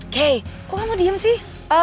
oke kok kamu diem sih